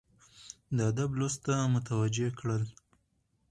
د ادب لوست ته متوجه کړل،